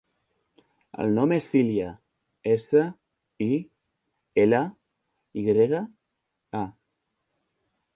El nom és Silya: essa, i, ela, i grega, a.